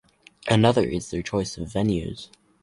Another is their choice of venues.